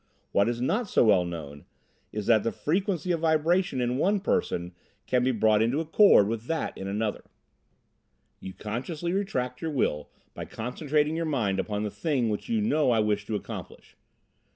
What is not so well known is that the frequency of vibration in one person can be brought into accord with that in another. "You consciously retract your will by concentrating your mind upon the thing which you know I wish to accomplish.